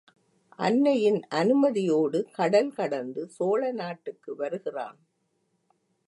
அன்னையின் அனுமதியோடு கடல் கடந்து சோழ நாட்டுக்கு வருகிறான்.